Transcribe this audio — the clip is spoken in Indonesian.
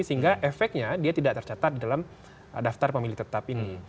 sehingga efeknya dia tidak tercatat dalam daftar pemilih tetap ini